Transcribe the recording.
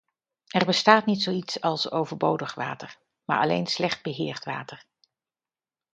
Er bestaat niet zoiets als overbodig water, maar alleen slecht beheerd water.